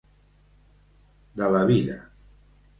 De la vida.